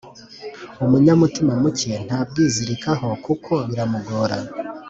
umunyamutima muke ntabwizirikaho kuko biramugora